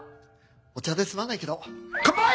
お茶ですまないけど乾杯！